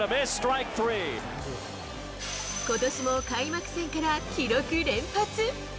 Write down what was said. ことしも開幕戦から記録連発。